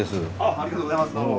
ありがとうございますどうも。